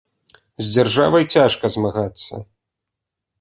З дзяржавай цяжка змагацца.